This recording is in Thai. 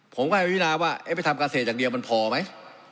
ผมก็จะวินาว่าไปทำเกษตรอย่างเดียวมันพอไหม